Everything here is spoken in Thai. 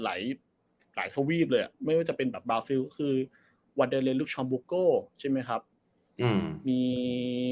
หลายหลายทวีปเลยอ่ะไม่ว่าจะเป็นแบบบาซิลคือใช่ไหมครับอืมมี